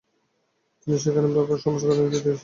তিনি সেখানে ব্রাহ্মসমাজ গড়ায় নেতৃত্ব দিয়েছিলেন।